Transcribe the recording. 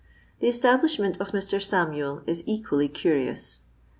The establishment of Mr. Samuel is equally curious.